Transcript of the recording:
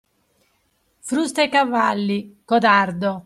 Frusta i cavalli, codardo